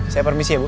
saya permisi ya bu